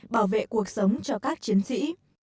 bảo vệ cuộc sống cho các người